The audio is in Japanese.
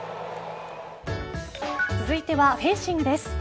続いてはフェンシングです。